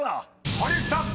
［堀内さん］